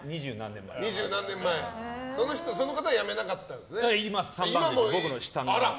その方はやめなかったんですね。